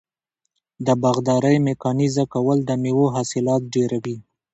د باغدارۍ میکانیزه کول د میوو حاصلات ډیروي.